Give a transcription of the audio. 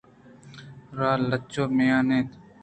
راہ لچ ءُ مین اَت